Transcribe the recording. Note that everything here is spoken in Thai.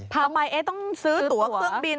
ทำไมต้องซื้อตัวเครื่องบิน